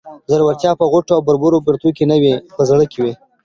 زړورتيا په غټو او ببرو برېتو کې نه وي، په زړه کې وي